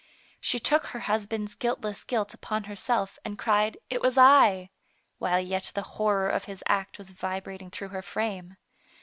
She took her husband's guiltless guilt upon herself, and cried, " It was I," while yet the horror of his act was vibrating through her frame.